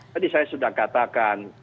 tadi saya sudah katakan